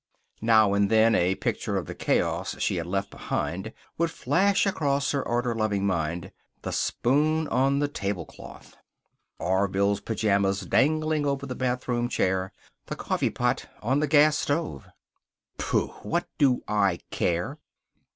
Now and then a picture of the chaos she had left behind would flash across her order loving mind. The spoon on the tablecloth. Orville's pajamas dangling over the bathroom chair. The coffeepot on the gas stove. "Pooh! What do I care?"